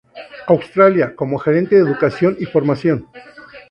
Australia como Gerente de Educación y Formación.